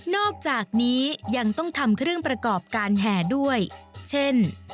อกจากนี้ยังต้องทำเครื่องประกอบการแห่ด้วยเช่น